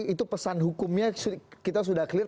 itu pesan hukumnya kita sudah clear